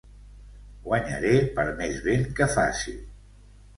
Guanyaré per més vent que faci.